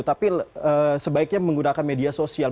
tapi sebaiknya menggunakan media sosial